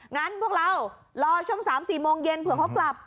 งั้นพวกเรารอช่วง๓๔โมงเย็นเผื่อเขากลับ